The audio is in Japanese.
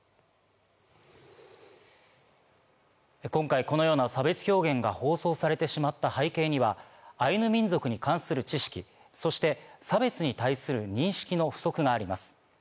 今回、このような差別表現が放送されてしまった背景にはアイヌ民族に関する知識、そして差別に対する認識の不足があります。